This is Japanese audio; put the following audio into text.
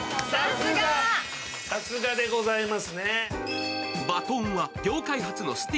さすがでございますね。